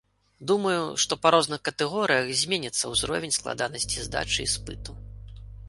Думаю, што па розных катэгорыях зменіцца ўзровень складанасці здачы іспыту.